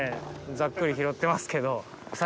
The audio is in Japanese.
ざっくり拾ってますけど茲┐